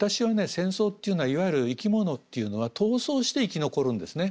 戦争っていうのはいわゆる生き物っていうのは闘争して生き残るんですね。